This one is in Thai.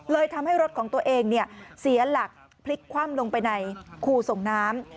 ทำให้รถของตัวเองเสียหลักพลิกคว่ำลงไปในคู่ส่งน้ำ